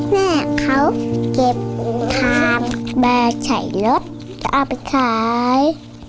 แม่เขาเก็บอุงทางแบกใส่รถจะเอาไปขาย